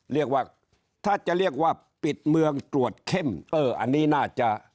เรียกว่าถ้าจะเรียกว่าปิดเมืองตรวจเข้มเอออันนี้น่าจะ